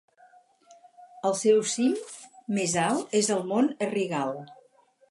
El seu cim més alt és el mont Errigal.